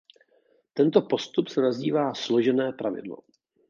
Tento postup se nazývá "složené pravidlo".